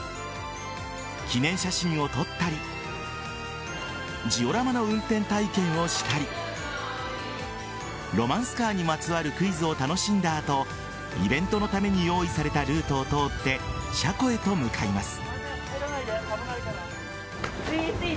記念写真を撮ったりジオラマの運転体験をしたりロマンスカーにまつわるクイズを楽しんだ後イベントのために用意されたルートを通って車庫へと向かいます。